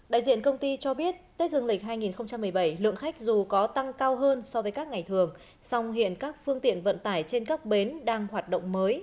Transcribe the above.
đại diện công ty cho biết tết dương lịch hai nghìn một mươi bảy lượng khách dù có tăng cao hơn so với các ngày thường song hiện các phương tiện vận tải trên các bến đang hoạt động mới